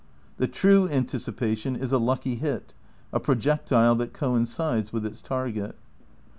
The true anticipation is a lucky hit, a projectile that coincides with its target.